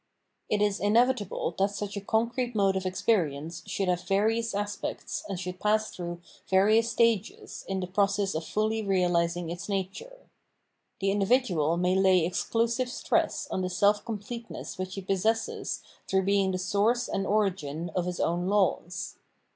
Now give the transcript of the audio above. It is inevitable that such a concrete mode of experience should have various aspects and should pass through various stages in the process of fully realising its nature. The individual may lay exclusive stress on the self completeness which he possesses through being the source and origin of his own laws.